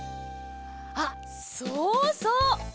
あっそうそう。